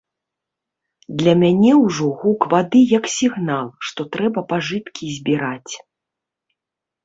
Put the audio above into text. Для мяне ўжо гук вады як сігнал, што трэба пажыткі збіраць.